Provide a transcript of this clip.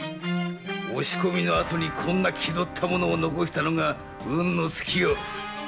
押し込みの後にこんな気取った物を残したのが運の尽きよ。